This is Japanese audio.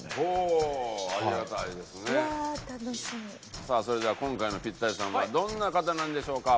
さあそれでは今回のピッタリさんはどんな方なんでしょうか？